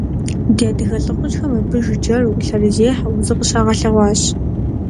Ди адыгэ лӏыхъужьхэм абы жыджэру, лъэрызехьэу зыкъыщагъэлъэгъуащ.